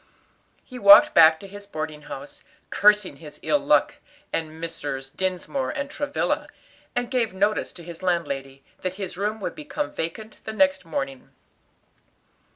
He walked back to his boarding house, cursing his ill luck and Messrs. Dinsmore and Travilla, and gave notice to his landlady that his room would become vacant the next morning.